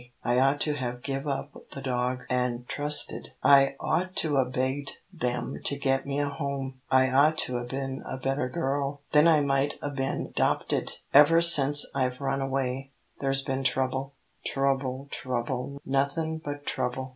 I ought to have give up the dog, an' trusted. I ought to 'a' begged them to get me a home. I ought to 'a' been a better girl. Then I might 'a' been 'dopted. Ever sence I've run away, there's been trouble trouble, trouble, nothin' but trouble.